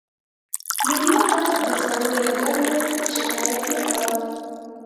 مېلمه ته د سړو یا ګرمو شکایت مه کوه.